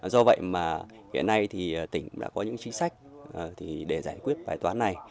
do vậy mà hiện nay thì tỉnh đã có những chính sách để giải quyết bài toán này